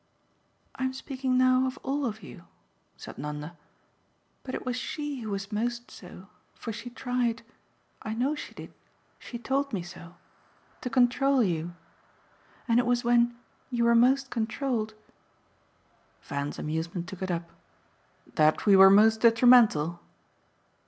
"I'm speaking now of all of you," said Nanda. "But it was she who was most so, for she tried I know she did, she told me so to control you. And it was when, you were most controlled !" Van's amusement took it up. "That we were most detrimental?"